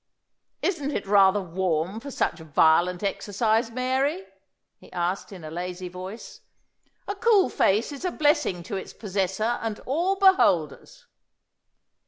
"Isn't it rather warm for such violent exercise, Mary?" he asked in a lazy voice. "A cool face is a blessing to its possessor and all beholders."